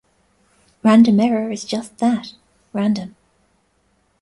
Random error is just that: random.